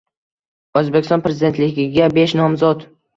O‘zbekiston prezidentligiga besh nomzod